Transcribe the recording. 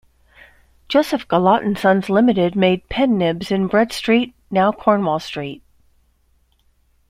Joseph Gillott and Sons Limited made pen nibs in Bread Street, now Cornwall Street.